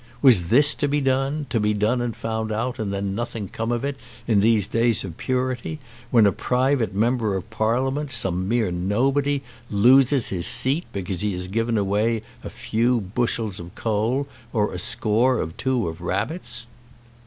Was this to be done, to be done and found out and then nothing come of it in these days of purity, when a private member of Parliament, some mere nobody, loses his seat because he has given away a few bushels of coals or a score or two of rabbits!